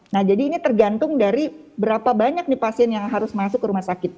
nah jadi ini tergantung dari berapa banyak nih pasien yang harus masuk ke rumah sakit